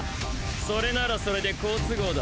それならそれで好都合だ。